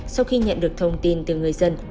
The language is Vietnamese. sau khi nhận được thông tin về vụ tai nạn giao thông